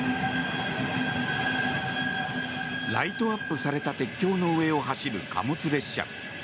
ライトアップされた鉄橋の上を走る貨物列車。